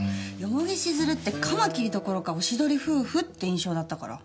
蓬城静流ってカマキリどころかおしどり夫婦って印象だったから。